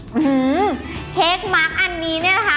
หือเค้กมักอันนี้เนี่ยนะคะ